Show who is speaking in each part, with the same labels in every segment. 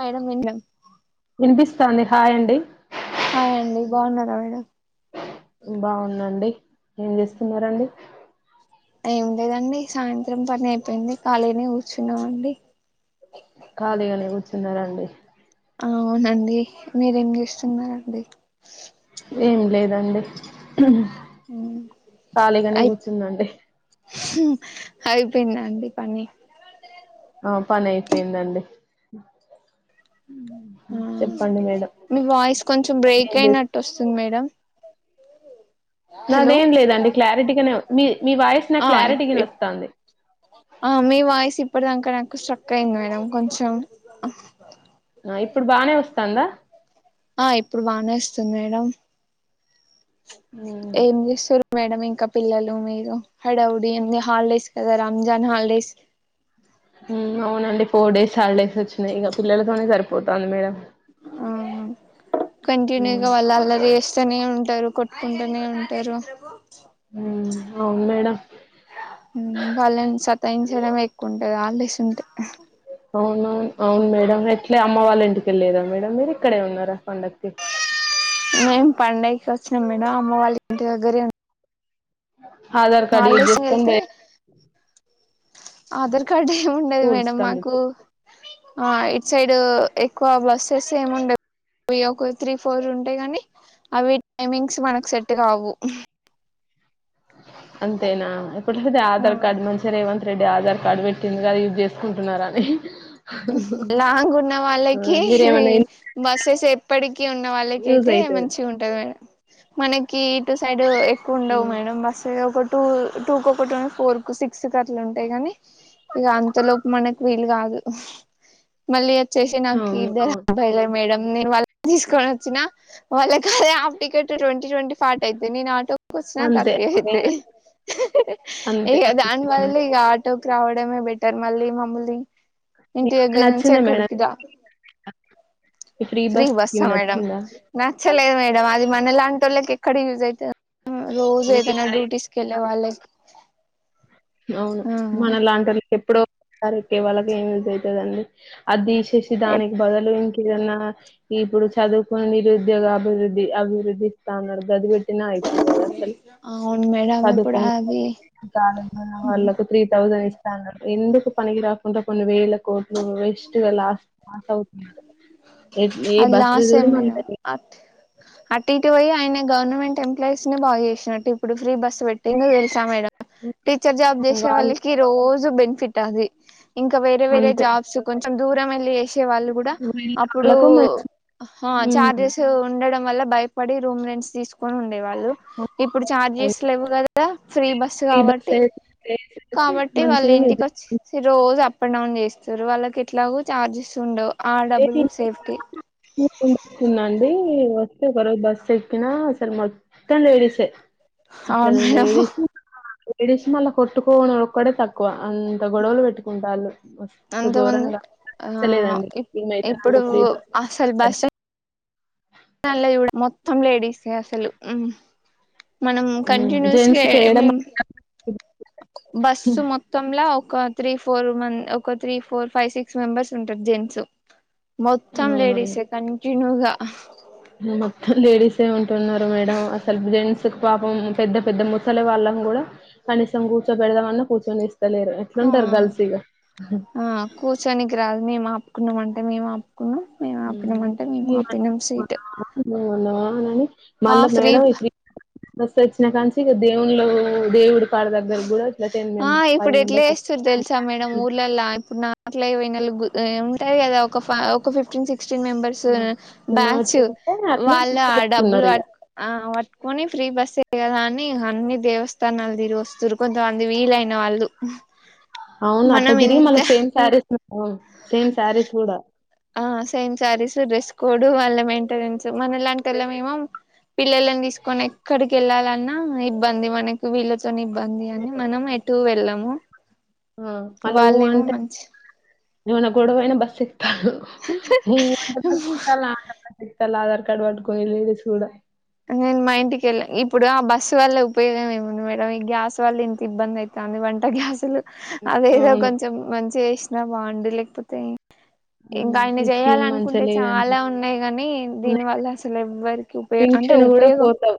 Speaker 1: అయినా [inaudible]
Speaker 2: వీనిపిస్తాంది హాయ్ అండి
Speaker 1: హాయ్ అండి బాగున్నారా మేడం
Speaker 2: బాగున్నాండి ఏం చేస్తునారండి
Speaker 1: ఏం లేదండి సాయంత్రం పని అయిపోయింది ఖాళీనే కూర్చున్నామండి
Speaker 2: ఖాళీగానే కూర్చున్నారండి
Speaker 1: అవునండి మీరేం చేస్తున్నారండి
Speaker 2: ఏం లేదండి ఖాళీగానే
Speaker 1: అయి
Speaker 2: కూర్చునండి
Speaker 1: అయిపోయింద అండి పని
Speaker 2: ఆ పని అయిపోయిందండి
Speaker 1: ఆ
Speaker 2: చెప్పండి మేడం
Speaker 1: మీ వాయిస్ కొంచెం బ్రేక్
Speaker 2: ఏం చేస్త
Speaker 1: అయినట్టు వస్తుంది మేడం హలో
Speaker 2: నాదేం లేదండి క్లారిటీకగానే మీ మీ వాయిస్ నాకు
Speaker 1: ఆ
Speaker 2: క్లారిటీగా వినోస్తాంది
Speaker 1: ఆ మీ వాయిస్ ఇప్పటిదాకా నాకు స్ట్రక్ అయింది మేడం కొంచెం
Speaker 2: ఆ ఇప్పుడు బానే వస్తాందా
Speaker 1: ఆ ఇప్పుడు బానే వస్తుంది మేడం
Speaker 2: ఉమ్,
Speaker 1: ఏం చేస్తారే మేడం ఇ ఇంకా పిల్లలు మీరు హడావుడి ఆ హాలిడేస్ కదా రంజాన్ హాలిడేస్
Speaker 2: హు అవునండి ఫోర్ డేస్ హాలిడేస్ వచ్చినాయి ఇగా పిల్లలతోనే సరిపోతాంది మేడం
Speaker 1: ఆ
Speaker 2: ఉమ్,
Speaker 1: కంటిన్యూగా వాళ్లు అల్లరి చేస్తనే ఉంట ఉంటారు కొట్టుకుంటూనే ఉంటారు
Speaker 2: ఉమ్, అవును మేడం
Speaker 1: హు వాళ్ళని సాత సహించడం మే ఎక్కువ ఉంటది హాలిడేస్ ఉంటే
Speaker 2: అవునవును అవును మేడం ఎట్లఅమ్మ వాళ్ళ ఇంటికి వెళ్లి రా మేడం మీరు ఇక్కడే ఉన్నారా పండగకి
Speaker 1: మేము పండగకి వచ్చినాం మేడం అమ్మ వాళ్ళ ఇంటి దగ్గరే ఊ
Speaker 2: ఆధార్ కార్డు యూజ్
Speaker 1: హాలిడేస్
Speaker 2: చేసుకొని
Speaker 1: వెళ్తే
Speaker 2: పోయి
Speaker 1: ఆధార్ కార్డు ఏముండదు
Speaker 2: స్కూల్స్
Speaker 1: మేడం మాకు
Speaker 2: కంప్యూటర్
Speaker 1: ఆ ఇటు సైడ్ ఎక్కువ బస్సెస్ ఏం ఉండవు ఒక త్రీ ఫోర్ ఉంటాయి. కానీ అవి టైమింగ్స్ మనకు సెట్ కావు
Speaker 2: అంతేనా ఇప్పడు ఐతే ఆధార్ కార్డ్ మంచిగా రేవంత్ రెడ్డి ఆధార్ కార్డు పెట్టిండు కదా యూజ్ చేసుకుంటున్నారని
Speaker 1: లాంగ్ ఉన్న వాళ్ళకి
Speaker 2: మీరేమన్నా ఇన్-
Speaker 1: బస్సెస్ ఎప్పటికి ఉన్న వాళ్ళకి
Speaker 2: యూజ్
Speaker 1: అయితే
Speaker 2: అయితది
Speaker 1: మంచి ఉంటది మేడం మనకి ఇటు సైడ్ ఎక ఉండవు మేడం బస్సు ఒకటి టూ టూ ఒకటి ఫోర్ కు సిక్స్ క అట్ల ఉంటాయి. కాగానీ ఇక అంతలోపు మనకి వీలు కాదు. మళ్ళీ వచ్చేసి నాకు
Speaker 2: అవును
Speaker 1: ఇద్దరు
Speaker 2: అవును
Speaker 1: అబ్బాయిలే మేడం నేను వాళ్ళ తీసుకొని వచ్చినా వాళ్ళకి అదే half ticket twenty twenty forty అయితది నేను ఆటో కొచ్చిన
Speaker 2: అంతే
Speaker 1: థర్టీ అయితే
Speaker 2: అంతే
Speaker 1: ఇగ
Speaker 2: అంతే
Speaker 1: దాని
Speaker 2: అంతే.
Speaker 1: బదులు ఇగ ఆటోకి రావడమే బెటర్ మళ్ళీ మమ్మల్ని ఇంటి
Speaker 2: మీకు
Speaker 1: దగ్గర నుంచి
Speaker 2: నచ్చిందా మేడం
Speaker 1: ఎక్కడికిద
Speaker 2: ఈ
Speaker 1: ఫ్రీ బస్
Speaker 2: స్కీమ్
Speaker 1: ఆ మేడం
Speaker 2: నచ్చిందా
Speaker 1: నాచ్ లేదు మేడం అది మన లాంటి ఓళ్ళకి ఎక్కడ యూస్ అయితది రోజు
Speaker 2: మీకు
Speaker 1: ఏదైనా
Speaker 2: ఎక్కడ
Speaker 1: డ్యూటీస్కి వెళ్ళలే [inaudible]
Speaker 2: అవును మనలాంటోళ్లకు ఎప్పుడో కరెక్ట్ ఎ కదండీ ఏం యూస్ అయితది అండి ఆది తీసి వచ్చేసి దానికి
Speaker 1: ఆ
Speaker 2: బదులు ఇంకేదన్నా ఇప్పుడు చదువుకుని నిరుద్యోగ అభివృద్ధి అభివృద్ధి ఇస్తా అన్నాడు. గాది నా అయిపో కదా అసలు
Speaker 1: అవును మేడం ఇప్పుడు
Speaker 2: చదువుకునా
Speaker 1: అది
Speaker 2: జా వాళ్లకు త్రీ తౌస ఇస్తాన్నారు ఎందుకు పనికి రాకుండా కొన్ని వేలా కోట్లు వెస్ట్ గా లాస్ ఉ ఏ
Speaker 1: అది
Speaker 2: బస్ ల
Speaker 1: లాసే
Speaker 2: చూడు
Speaker 1: మేడం అటు ఇటు పోయి ఆయన గవర్నమెంట్ ఎంప్లాయీస్ ని బాగా చేసినట్టు ఇప్పుడు ఫ్రీ బస్సు పెట్టి తెలుసా మేడమ్ టీచర్ జాబ్ చేసే
Speaker 2: వాళ్ళు
Speaker 1: వాళ్ళకి రోజు బెనిఫిట్ అది ఇంకా వేరే వేరే
Speaker 2: అంతే
Speaker 1: జాబ్స్ కొంచెం దూరం మెల్ల ఎస్ వచ్చే వాళ్ళు కూడా అప్పుడు
Speaker 2: వీళ్ళకు మంచి
Speaker 1: హా చార్జెస్ ఉ ఉండడం వల్ల భయపడి రూమ్ రెంట్స్ తీసుకు నే ఉండే వాళ్ళు ఇప్పుడు
Speaker 2: హ్మ్.
Speaker 1: చార్జెస్ లేవు కదా ఫ్రీ బస్సు
Speaker 2: ఫ్రీ
Speaker 1: కాబట్టి
Speaker 2: బస్సెస్
Speaker 1: కాబట్టి వాళ్ళ
Speaker 2: మంచిగా యూజ్
Speaker 1: ఇంటికి వచ్చిసి రో జు అప్ అండ్ డౌన్ చేస్తారు వాళ్ళకి ఎట్లాగో చార్జెస్ ఉండవు ఆ డబ్బులు సేఫ్టీ
Speaker 2: స్తున్నాండి తర్వాత బస్ ఎక్కినా అసల మొ అంతా లేడీస్ ఏ ఇంకా
Speaker 1: అవును మేడం
Speaker 2: లేడీసూ లేడిస్మళ్ళ కొట్టుకోవడం ఒక్కటె తక్కువ అంత గొడవలు పెట్టుకుంటారు
Speaker 1: అంత మంది ఆ
Speaker 2: ఈమెయితే
Speaker 1: ఇప్పుడు
Speaker 2: నాకు ఫ్రీ బస్
Speaker 1: అసలు భస్ ఎల్ఐగూడా మొత్తం లేడీస్ అసలు మనం
Speaker 2: నచ్చలేదు
Speaker 1: కంటిన్యూస్
Speaker 2: జెంట్స్ కి ఏడ
Speaker 1: బస్సు మొత్తంలా ఒక త్రీ ఫోర్ మ ఒక three four five six members ఉంటారు జెంట్స్ మొత్తం
Speaker 2: అవునవును
Speaker 1: లేడీసే కనీ తినువా
Speaker 2: మొత్తం లేడీసే ఉంటున్నారు మేడం అసలు జెంట్స్ పాపం పెద్ద పెద్ద ముసలి వాళ్ళం కూడా కనీసం కూర్చో పెెడదామన్నా కూర్చొనిస్త
Speaker 1: ఆ కూర్చొనికి రాదు మేము అప్ కున్నాంంటే మేము ఆపుకున్నాం మేము ఆపినామంటే మేము ఆపినాం సీట్
Speaker 2: మ ఉన్నావా అని
Speaker 1: ఆ
Speaker 2: మళ్ళీ
Speaker 1: ఫ్రీ
Speaker 2: మేడం ఇ బస్ ఎక్కినా కనుచి ఇగ దేవులు దేవుడు
Speaker 1: ఆ ఇప్పుడు ఎట్లే
Speaker 2: మెంబర్స్
Speaker 1: చేస్తుారు తెలుసా మేడం ఊర్లల్లా ఇప్పుడు నా లెవ్ ఇన్ అవైలబుల్ ఉంటాయి కదా ఒక ఒక fifteen six sixteen members batch
Speaker 2: ఉంటే అట్లా
Speaker 1: వాళ్ళ డబ్బులు
Speaker 2: ముచ్చగెట్టున్నారు ఇగ
Speaker 1: పట్టుకొని ఫ్రీ బస్సే కదా అని హన్ని దేవస్థానం తిరిగి వస్తు దురుకంతమంది వీలైన వాళ్ళు
Speaker 2: అవును అట్లా
Speaker 1: మనం
Speaker 2: తిరిగి మల్ల
Speaker 1: ఇంత
Speaker 2: సేమ్ సారీస్ అ సేమ్ సారీస్ కూడా
Speaker 1: ఆ సేమ్ సారీసు డ్రస్ కోడ్ వాళ్ళ మెయింటెనెన్స్ మన లాంటిలా మేమం పిల్లని తీసుకొని ఎక్కడికి వెళ్ళాలి ఇబ్బంది మనకి వీళ ఇబ్బంది అని మనం ఎటు వెళ్ళ అమ వాళ్ళేమో మంచి
Speaker 2: నేను ఆ గొడవైన బస్సి నువు ఆధార్ కార్డ్ సిక్తల ఆధార్ కార్డ్ వడ్ కోయలేది చూడ
Speaker 1: నేను మా ఇంటికిెళ్ళా ఇప్పుడు ఆ బస్సు వల్ల ఉపయోగం ఏముంది మేడం ఈ గ్యాస్ వల్ల ఇంత ఇబ్బంది అవుతుంది వంట గ్యాస్ లు
Speaker 2: హ్మ్.
Speaker 1: అదేదో
Speaker 2: అవును.
Speaker 1: కొంచెం మంచి ఇచ్చిన బాగుండు లేకపోతే ఇంకా
Speaker 2: హ్మ్.
Speaker 1: ఆయన
Speaker 2: ఈ
Speaker 1: చేయాల
Speaker 2: స్కీమ్ మంచిగా
Speaker 1: అనుకుంటే
Speaker 2: లేదండి.
Speaker 1: చాలా ఉన్నాయి కాని దీని వల్ల అసలు ఎవ్వరికి ఉపయో
Speaker 2: పింఛన్ కూడా ఫోర్ ఫైవ్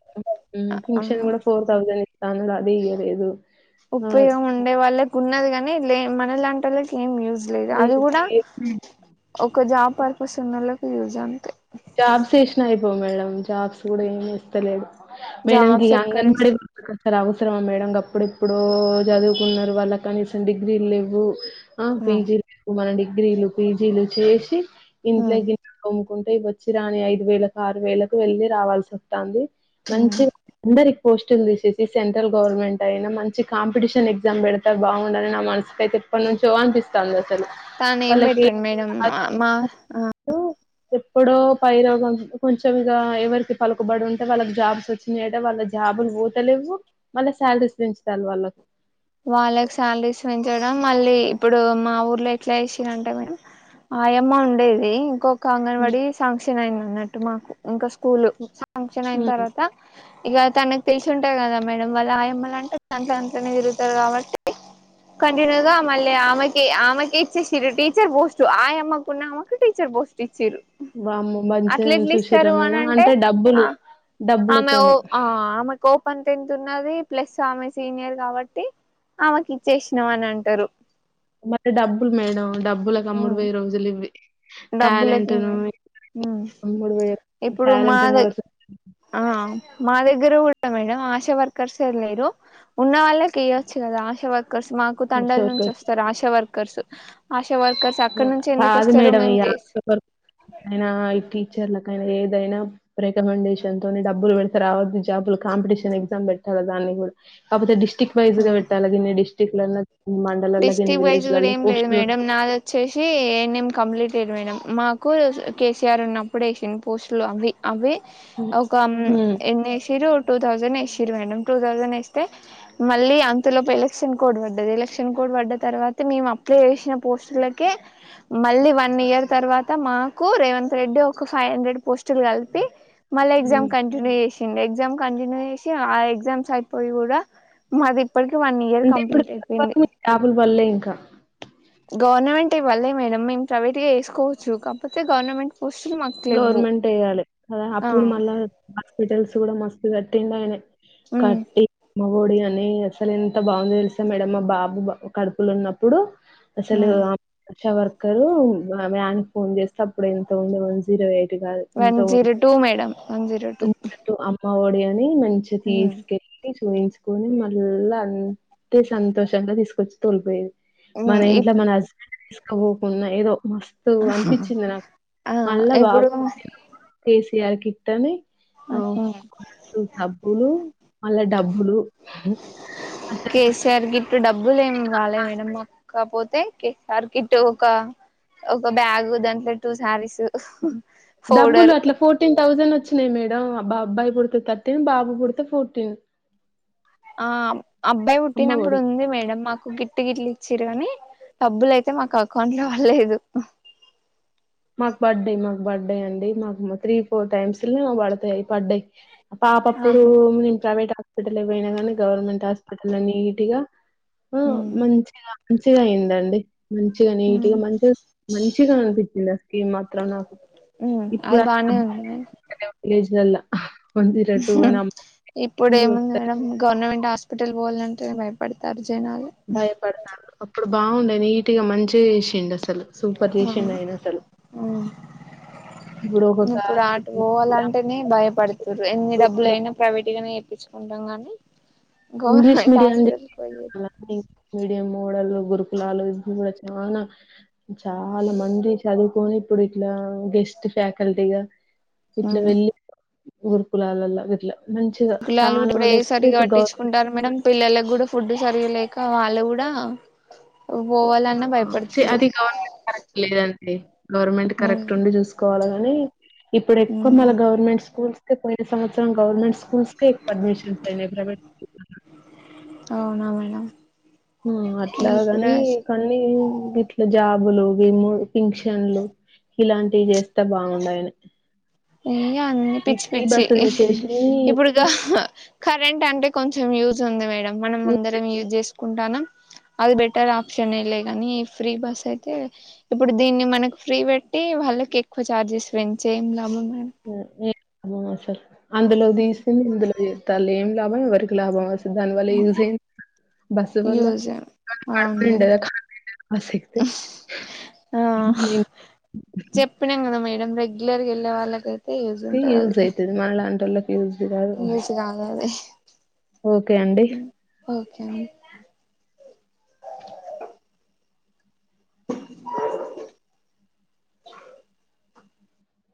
Speaker 2: పింఛను కూడా ఫోర్ థౌసండ్ తానులో అదే ఇయ్యలేదు ఆ!
Speaker 1: ఉపయోగం ఉండే వాలే ఉన్నది గానీ లే మన లాంటి వాళ్ళకి ఏం యూ జ్ లేద్ అది
Speaker 2: లేదు
Speaker 1: కూడా
Speaker 2: లేదు.
Speaker 1: ఒక జాబ్ పర్పస్ ఉన్నోళ్ ఈ రోజ్ అంతే
Speaker 2: జాబ్స్ చేసినా అయిపోవు మేడం జాబ్స్ కూడా ఏమి ఇస్తలేడు మేడం కి
Speaker 1: జాబ్స్ ఎక్కడేస్
Speaker 2: అంగన్వారే గుర్తకొస్తారు అవ్ అవసరమా మేడం గప్పుడెప్పుడో చదువుకున్నారు వాళ్ళ కనీసం డిగ్రీలు లేవు. ఆ పీజీ ల్ కు మనండి డిగ్రీలు పిజీలు చేసి ఇంట్లో
Speaker 1: ఉమ్
Speaker 2: గిన కొం కొంటె ఇవత్ చిరాని ఐదు వేలకు, ఆరు వేలకు, వెళ్ళి రావాల్సి వస్తాంది.
Speaker 1: ఉమ్
Speaker 2: మంచి గా అందరి పోస్టులు తీసేసి సెంట్రల్ గవర్నమెంట్ అయినా, మంచి కాంపిటీషన్ ఎగ్జామ్ పెడతా బాగుండు అని, నా మనసు కయితే ఎప్పటి నుంచో అనిపిసస్తాది.
Speaker 1: తాన్ ఏం పెట్టడ్ మేడం మా ఆ
Speaker 2: ఓ ఎప్పుడో పైరోగం కొంచెం ఇగ ఎవరికి పలుకుబడి ఉంటే, వాళ్ళకి జాబ్స్ వచ్చినాయంటే వాళ్ళ జాబులు పోతలేవు, మళ్ళీ శాలరీస్ పెంచుతాల్ వాళ్ళకు.
Speaker 1: వాళ్ళకి శాలరీస్ పెంచడం, మళ్ళీ ఇప్పుడు మా ఊర్లో ఎట్లా ఏసిరూ అంటే మేడం ఆయమ్మ ఉండేది ఇంకొ. క అంగన్వాడి శాంక్షన్ అయిన్ న న్నట్ ట్ మాకు ఇంకా స్ స్కూల్ శాంక్షన్ అయిన
Speaker 2: మ్మ్
Speaker 1: తర్వాత ఇగ తనకు తెలిసి ఉంటది కదా, మేడం వాళ్ళ ఆయమ్మల అంటే దాంట్ల, దాంట్ల నే తిరుగ్. తది కాబట్టి కంటిన్యూగా మళ్ళీ ఆమెకి ఆమెకి ఇచ్చేసిరు, టీచర్ పోస్ట్ ఆయామ్మకు ఉన్న ఆమెకు టీచర్ పోస్ట్ ఇచ్చిరు.
Speaker 2: వామ్మో మంచి
Speaker 1: అట్ల
Speaker 2: నే
Speaker 1: ఎట్లా
Speaker 2: చూసిర
Speaker 1: ఇస్తారు అని
Speaker 2: మేడం, అంటే
Speaker 1: ఆ
Speaker 2: డబ్బులు డబ్బులతోనే.
Speaker 1: పన్ టెన్త్ ఉన్నది ప్లేస్, ఆమె సీనియర్ కాబట్టి ఆమెకి. చేసినామ్ అని అంటరూ
Speaker 2: మరి డబ్బులు మేడం డబ్ డబ్బులకి అమ్ముడు పోయే రోజులు ఇవ్వి
Speaker 1: డబ్బులకి ఏమయిన
Speaker 2: అమ్ముడు పోయే
Speaker 1: ఇప్పుడు
Speaker 2: టాలెంట్ ని
Speaker 1: మాదే ఆ మా దగ్గర కూడా మేడం ఆశా వర్కర్స్ ఏ లేరు, ఉన్న వాళ్ళకి ఇయ్యోచ్చు కదా ఆశా వర్. వర్కర్స్ మాకు తండల్
Speaker 2: ఎవరు
Speaker 1: నుంచి వస్తారు ఆశా వర్కర్స్. ఆశా వర్కర్స్ అక్కడ నుంచి ఎందుకు
Speaker 2: కాదు
Speaker 1: వస్తారు
Speaker 2: మేడం
Speaker 1: మేము
Speaker 2: ఇగ ఆశా
Speaker 1: చేసి
Speaker 2: వర్కర్స్ అయినా ఐటీ చర్లకు అయినా ఏదైనా రికమెండేషన్ తోనే, డబ్బులు పెడతె రావొద్దు జాబులు కాంపిటిషన్ ఎగ్జామ్ పెట్టాలా దాన్ని కూడా కాకపోతే డిష్. డిస్ట్రిక్ట్ వైస్ గా
Speaker 1: ఆ
Speaker 2: పెట్టాలె దీన్ని డిష్ టిఫ్ లన్ ద్ మండలల్ల దీన్ని
Speaker 1: డిస్టిక్ వైజ్
Speaker 2: విలేజ్
Speaker 1: కూడా
Speaker 2: లలా
Speaker 1: ఏం లేదు
Speaker 2: కోస్టులున్
Speaker 1: మేడం నాది వచ్చేసి ఎన్ఎం కంప్లీట్ అయ్యది మేడం మాకు కేసీఆర్ ఉన్నప్పుడు వేసిన పోస్టులు అవి అవే ఒక
Speaker 2: ఉమ్
Speaker 1: ఎన్ని వేసిరు టూ తౌసండే వేసిరు మేడం టూ థౌసండ్ వేస్తే మళ్ళీ అంతలోపు ఎలక్షన్ కోడ్ పడ్డది ఎన్ క్షన్ కోడ్ పడ్డ తర్వాత మేము అప్లై చేసిన పోస్టులక మళ్ళీ వన్ ఇయర్ తర్వాత మాకు రేవంత్ రెడ్డి ఒక ఫైవ్ హండ్రెడ్ పోస్ట్లు కలిపి మల్ల ఎగ్జామ్
Speaker 2: ఉమ్.
Speaker 1: కంటిన్యూ చే ఎగ్జామ్ కంటిన్యూ చేసి ఆ ఎగ్జామ్స్ అయిపోయి కూడా మది ఇప్పటికకి వన్ ఇయర్ కంప్లీట్ అయిపోయింది
Speaker 2: జాబులు పడలే ఇంకా
Speaker 1: గవర్నమెంట్ ఇవ్వలే మేడం మేము ప్రైవేట్ గా వేసుకోవచ్చు కాకపోతే గవర్నమెంట్ పోస్టులు మాకు లేవ్వు
Speaker 2: గవర్నమెంట్ వేయ్యాలే
Speaker 1: ఆ
Speaker 2: అప్పుడు మళ్ళా హాస్పిటల్స్ కూడా మస్తు ఇదటింద అనే
Speaker 1: ఉమ్
Speaker 2: కటి మోడి అ కాని అసలు ఎంత బాగుందో తెలుసా మేడం మా బాబు కడుపులు ఉన్నప్పుడు అసలు
Speaker 1: ఉమ్
Speaker 2: వ రు మ్యానికి ఫోన్ చేస్తే అప్పుడు ఎంత ఉండ మంచి zero white
Speaker 1: one zero two madam one zero two
Speaker 2: Amma Odi మంచి
Speaker 1: ఉమ్
Speaker 2: తీసుకెళ్ చూయించుకొని మళ్ళా అంతే సంతోషంగా తీసుకొచ్చి తోలుకు పోయేది మన
Speaker 1: ఉమ్
Speaker 2: ఇంట్లో
Speaker 1: ఇప్పు
Speaker 2: మన అస్బండ్ బోకున్నా ఏదో మస్తు అనిపించింది నాకు
Speaker 1: ఆ
Speaker 2: వల్ల కాదు
Speaker 1: ఇప్పుడు
Speaker 2: కేసి యా కిట్టని ఔ సబ్బులు మళ్ళా డబ్బులు అసలు
Speaker 1: కేసీఆర్ గిట్టు డబ్బులు ఏం రాలే మేడం మాక్ క్కపోతే కేసర్కిట్టు ఒక ఒక బ్యాగు దాంట్లో టూ శారీస్
Speaker 2: డబ్బులు
Speaker 1: ఫోల్డర్
Speaker 2: అట్లా ఫోర్టీన్ థౌజండ్ వచ్చి లే మేడం అ అబ్బాయి పుడితే తర్టీన్ బాబు పుడితే ఫోర్టీన్
Speaker 1: ఆ అబ్బాయి పుట్టినప్పుడు
Speaker 2: ఒడి.
Speaker 1: ఉంది మేడం మాకు గిట్టు గిట్లి ఇచ్చరు గాని డబ్బులుయితే మాకు అకౌంట్ లో పడలేదు
Speaker 2: మాకు పడ్డయ్ మాకు పడ్డయ్ అండి మాకు త్రీ ఫోర్ టైమ్స్ లో పడతాయి అవి పడ్డయ్ పాపప్పుడు
Speaker 1: ఆహా
Speaker 2: మ్మ్ నేను ప్రవేట్ హా పోయినా కానీ గవర్నమెంట్ హాస్పిటల్ లో నీట్ గా ఆ
Speaker 1: ఉమ్
Speaker 2: మంచిగా మంచిగా అయిందండి మంచిగా
Speaker 1: ఉమ్
Speaker 2: నీట్గా మంచిగా మంచిగా అనిపి ఇలా ఈ మాత్రం నాకు
Speaker 1: ఉమ్ అది
Speaker 2: ఇప్పుడు
Speaker 1: బానే
Speaker 2: [unintelligible]
Speaker 1: ఉంది
Speaker 2: జల్లా
Speaker 1: ఇప్పుడు ఏముంది
Speaker 2: చూస్తారు.
Speaker 1: మేడం గవర్నమెంట్ హాస్ప హాస్పిటల్ పోవాలంటే భయపడతారు జనాలు
Speaker 2: భయపడతారు అప్పుడు బావుండే నీట్ గా మంచిగా చేసిండు అసలు
Speaker 1: అ అ
Speaker 2: ఇప్పుడు ఒక
Speaker 1: ఇప్పుడు
Speaker 2: క్లాస్
Speaker 1: ఆటు పోవాలంటేనే భయపడుతురు ఎన్ని డబ్బులు అయినా ప్రవేట్గానే చూప్పించుకుంటాం కానీ
Speaker 2: ఇంగ్లీష్ మీడియం అని చె [unintelligible] మీడియం మోడల్లు గురుకులాలు ఇప్పుడు కూడా చానా చాలా మంది చదువు కోనీ ఇప్పుడు ఇట్లా గెస్ట్ ఫ్యాకల్టీగా ఇట్ల వెళ్ళి గరుకులాలల్లో గిట్లా మంచిగా చాలా వాళ్ళ ఎక్కువ ఇప్పుడు గౌర్
Speaker 1: కుంటారు మేడం పిల్లలకి కూడా ఫుడ్ సరిగాలేక వాళ్ళు కూడా పోవాలన్నా భయపడుతురు
Speaker 2: అది గవర్నమెంట్ కరెక్ట్ లేదం తే గవర్నమెంట్
Speaker 1: ఉమ్
Speaker 2: కరెక్ట్ ఉండి చూసుకోవాలగా అని ఇప్పుడు ఎక్కువ
Speaker 1: ఉమ్
Speaker 2: మళ గవర్నమెంట్ స్కూల్స్ ఎక్కువై ప్రతి సంవత్సరం గవర్నమెంట్ స్కూల్స్కి పర్మిషన్స్ ప్రైవట్ స్కూల్
Speaker 1: అవునా మేడం
Speaker 2: హ్మ్ అట్లాగాని
Speaker 1: ఇప్పుడు
Speaker 2: కొన్ని ఇట్లా జాబులు గము ఫింక్షన్లు ఇలాంటివి చేస్తే బావుండాయన
Speaker 1: హ్మ్ అన్ని పిచ్చి పిచ్చి
Speaker 2: తీసేసినయి
Speaker 1: ఇప్పుడుగా కరెంట్ అంటే కొంచెం యూస్ ఉంది మేడం మనం అందరం యూజ్ చేస్ కుంటానాం అది బెటర్ ఆప్షనే లే గాని ఈ ఫ్రీ బస్ అయితే ఇప్పుడు దీన్ని మనకి ఫ్రీ పెట్టి వాళ్ళకి ఎక్కువ ఛార్జెస్ పెంచి ఏం లాభం మేడం
Speaker 2: ఏ అమ సార్ [unintelligible] అందులో తీసిని ఇందులో తల్లి ఏం లాభం ఎవరికి లాభం వస్తుంది దాని వల్ల యూజ బస్సు
Speaker 1: యూజ్ అవును మేడం
Speaker 2: వల్లడండేద ఆసక్తే
Speaker 1: ఆ ఇర గళ్ళ వాళ్ళ
Speaker 2: ూజ అవుది మళ్ళ అంట్ర ఇజారు
Speaker 1: యూజ్ కాదు అది
Speaker 2: ఓకే అండి
Speaker 1: ఓకే అండి